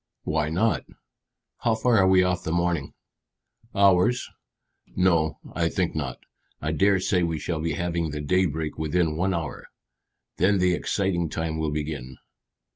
"Why not? How far are we off the morning?" "Hours." "No; I think not. I dare say we shall be having the day break within one hour, then the exciting time will begin."